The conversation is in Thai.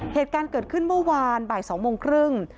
เหตุการณ์เกิดขึ้นเมื่อวานบ่าย๒โมงครึ่ง